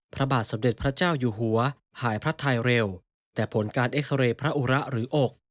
พระบาทสมเด็จพระเจ้าอยู่หัวหายพระไทยเร็วแต่ผลการเอ็กซาเรย์พระอุระหรืออก